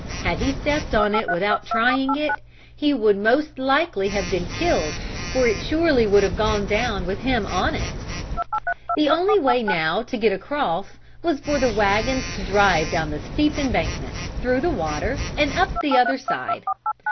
Had he stepped on it without trying it, he would most likely have been killed for it surely would have gone down with him on it. The only way now to get across was for the wagons to drive down the steep embankment, through the water and up the other side.